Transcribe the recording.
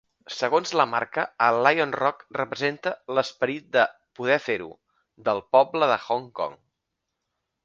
Segons la marca, el Lion Rock representa "l'esperit de "poder fer-ho" del poble de Hong Kong".